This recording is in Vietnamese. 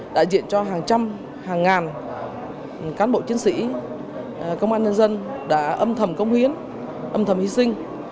đại diện cho hàng trăm hàng ngàn cán bộ chiến sĩ công an nhân dân đã âm thầm công hiến âm thầm hy sinh